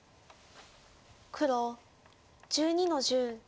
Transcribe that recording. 黒１２の十。